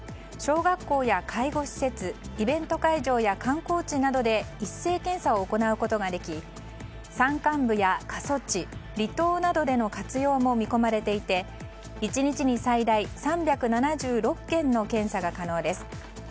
小学校や介護施設イベント会場や観光地などで一斉検査を行うことができ山間部や過疎地離島などでの活用も見込まれていて１日に最大３７６件の検査が可能です。